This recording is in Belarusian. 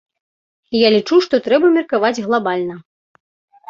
Я лічу, што трэба меркаваць глабальна!